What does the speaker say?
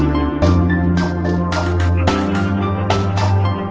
และมาให้สีหนู